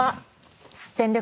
『全力！